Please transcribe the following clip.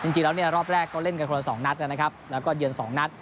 จริงแล้วรอบแรกก็เล่นกันคนละ๒นัดแล้วก็เดือน๒นัด